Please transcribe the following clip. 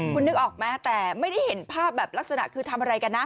คุณนึกออกไหมแต่ไม่ได้เห็นภาพแบบลักษณะคือทำอะไรกันนะ